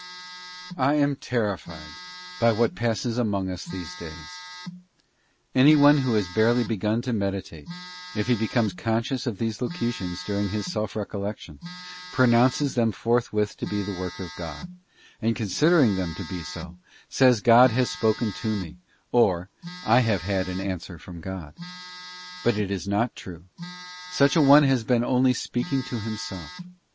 I am terrified by what passes among us in these days. Anyone, who has barely begun to meditate, if he becomes conscious of these locutions during his self recollection, pronounces them forthwith to be the work of God, and, * Genes. xxvii. 22. — pe 4 ae DELUSIONS OF SELF LOVE. 191 considering them to be so, says, God has spoken to me, or, I have had an answer from God. But it is not true: such an one has been only speaking to himself.